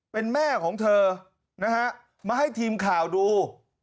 เป็นแม่ของเธอนะฮะมาให้ทีมข่าวดู